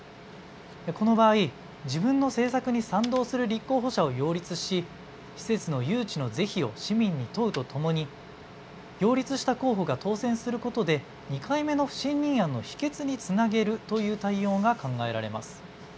この場合、自分の政策に賛同する立候補者を擁立し施設の誘致の是非を市民に問うとともに擁立した候補が当選することで２回目の不信任案の否決につなげるという対応が考えられます。